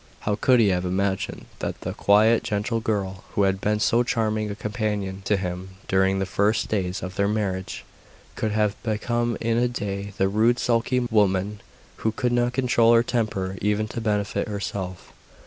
How could he have imagined that the quiet, gentle girl who had been so charming a companion to him during the first days of their marriage, could have become in a day the rude, sulky woman, who could not control her temper even to benefit herself.